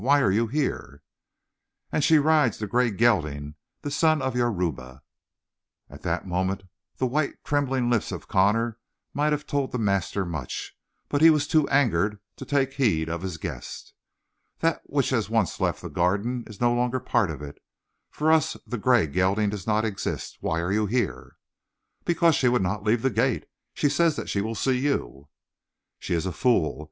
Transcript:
Why are you here?" "And she rides the gray gelding, the son of Yoruba!" At that moment the white trembling lips of Connor might have told the master much, but he was too angered to take heed of his guest. "That which has once left the Garden is no longer part of it. For us, the gray gelding does not exist. Why are you here?" "Because she would not leave the gate. She says that she will see you." "She is a fool.